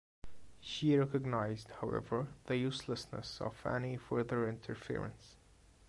She recognised, however, the uselessness of any further interference.